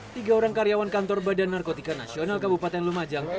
tiga orang karyawan kantor badan narkotika nasional kabupaten lumajang